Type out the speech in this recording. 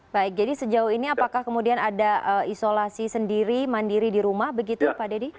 baik jadi sejauh ini apakah kemudian ada isolasi sendiri mandiri di rumah begitu pak dedy